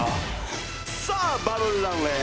さあバブルランウェイ